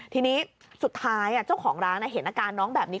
ทีนี้สุดท้ายเจ้าของร้านเห็นอาการน้องแบบนี้